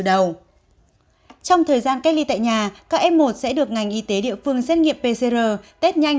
trong thời gian cách ly tại nhà các f một sẽ được ngành y tế địa phương xét nghiệm pcr test nhanh